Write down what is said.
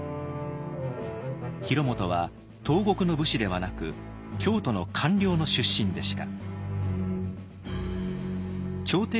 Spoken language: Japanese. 広元は東国の武士ではなく京都の官僚の出身でした。